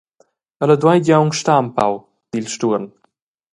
Ella dueigi aunc star empau, di il stuorn.